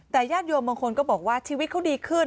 แต่ญาติโยมบางคนก็บอกว่าชีวิตเขาดีขึ้น